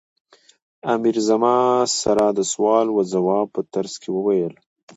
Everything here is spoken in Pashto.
امیر زما سره د سوال و ځواب په ترڅ کې وویل.